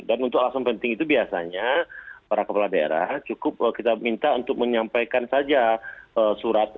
dan untuk alasan penting itu biasanya para kepala daerah cukup kita minta untuk menyampaikan saja surat